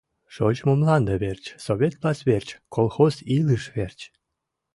Шочмо мланде верч, Совет власть верч, колхоз илыш верч!